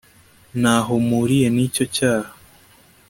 Ntaho mpuriye nicyo cyaha